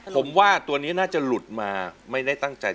ผมว่าตัวนี้น่าจะหลุดมาไม่ได้ตั้งใจ